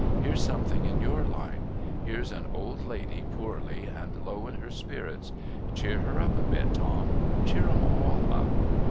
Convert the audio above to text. ' Here's some thing in your line. Here's an old lady poorly and low in her spirits. Cheer her up a bit, Tom. Cheer 'em all up.'